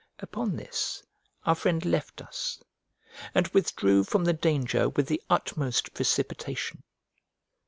Upon this our friend left us, and withdrew from the danger with the utmost precipitation.